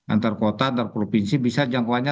antar kota antar provinsi bisa jangkauannya